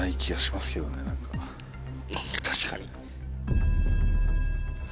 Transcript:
確かに。